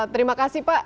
terima kasih pak